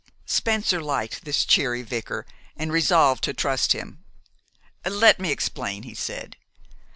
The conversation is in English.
Spencer liked this cheery vicar and resolved to trust him. "Let me explain," he said.